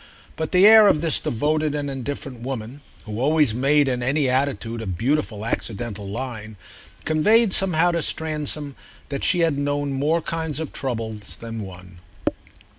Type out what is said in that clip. But the air of this devoted and indifferent woman, who always made, in any attitude, a beautiful accidental line, conveyed somehow to Stransom that she had known more kinds of trouble than one.